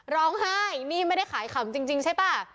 ร้องไห้นี่ไม่ได้ขายขำจริงใช่ป่ะ